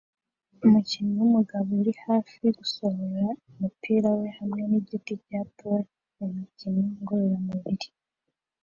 Umukinnyi wumugabo uri hafi gusohora umubiri we hamwe nigiti cya pole mumikino ngororamubiri